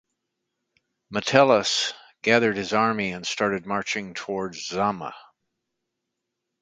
Metellus gathered his army and started marching towards Zama.